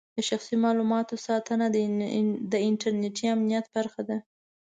د شخصي معلوماتو ساتنه د انټرنېټي امنیت برخه ده.